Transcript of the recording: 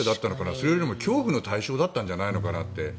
それとも恐怖の対象だったんじゃないかなって。